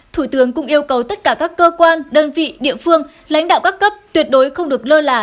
thủ tướng cũng yêu cầu tất cả các cơ quan đơn vị địa phương lãnh đạo các cấp tuyệt đối không được lơ là